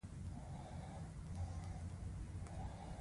او پرمختګ وکړي.